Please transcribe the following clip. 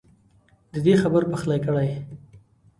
ددې خبر پخلی کړی